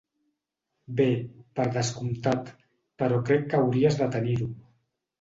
Bé, per descomptat, però crec que hauries de tenir-ho.